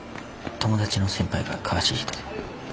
友達の先輩が詳しい人で。